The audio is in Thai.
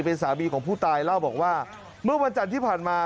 เป็นสามีของผู้ตายเล่าบอกว่าเมื่อวันจันทร์ที่ผ่านมา